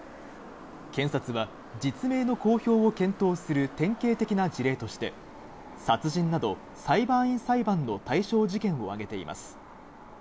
検察は実名の公表を検討する典型的な事例として、殺人など裁判員裁判の対象事件を挙げています。